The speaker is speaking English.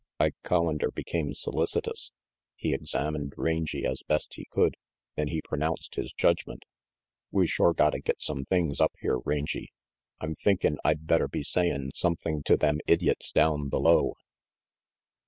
Ike Collander became solicitious. He examined Rangy as best he could, then he pronounced his judgment. "We shore gotta get some things up here, Rangy. I'm thinkin' I'd better be sayin' something to them idyots down below."